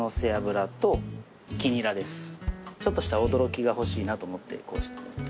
ちょっとした驚きが欲しいなと思って。